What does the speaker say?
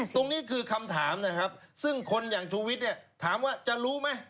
ตรงนี้คือคำถามนะครับซึ่งคนอย่างชูวิทย์เนี่ยถามว่าจะรู้ไหม